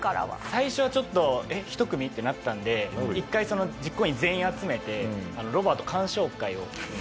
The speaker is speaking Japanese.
最初はちょっとえっ１組？ってなったんで一回実行委員全員集めてロバート鑑賞会を。